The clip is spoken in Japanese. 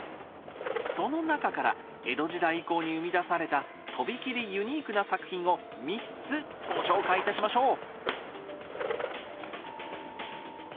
その中から江戸時代以降に生み出されたとびきりユニークな作品を３つご紹介いたしましょう。